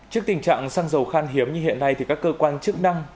trước tình trạng xăng dầu khan hiếm như hiện nay các cơ quan chức năng